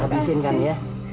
habisin kan ya